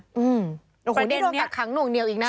โอ้โหที่โดนกักคั้งหน่วงเดียวอีกนะ